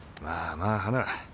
まあまあ花